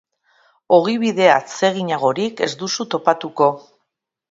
Ogibide atseginagorik ez duzu topatuko.